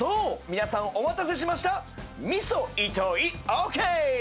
皆さんお待たせしました味噌いと井ＯＫ！